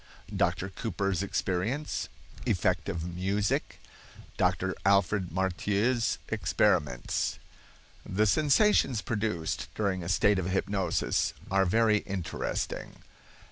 —Dr. Cooper's Experience.—Effect of Music.—Dr. Alfred Marthieu's Experiments. The sensations produced during a state of hypnosis are very interesting.